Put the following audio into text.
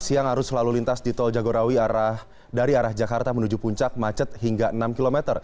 siang arus lalu lintas di tol jagorawi dari arah jakarta menuju puncak macet hingga enam km